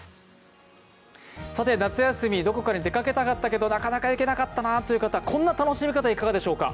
夏休み、どこかに出かけたかったけど、なかなか行けなかったなという方、こんな楽しみ方いかがでしょうか。